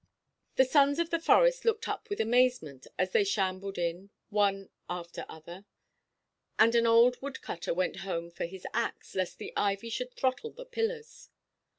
The sons of the Forest looked up with amazement as they shambled in one after other, and an old woodcutter went home for his axe, lest the ivy should throttle the pillars.